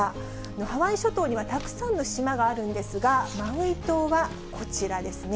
ハワイ諸島にはたくさんの島があるんですが、マウイ島はこちらですね。